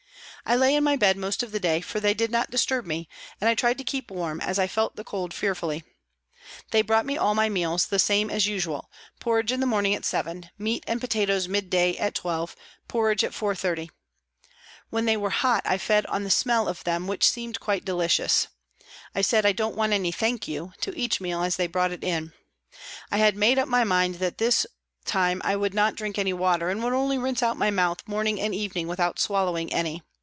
I lay in my bed most of the day, for they did not disturb me, and I tried to keep warm, as I felt the cold fearfully. They brought me all my meals the same as usual, porridge in the morning at 7, meat and potatoes mid day at 12, porridge at 4.30. When they were hot I fed on the smell of them, which seemed quite delicious ; I said " I don't want any, thank you," to each meal, as they brought it in. I had made up my mind that this time I would not drink any water, and would only rinse out my mouth morning and evening without swallowing any.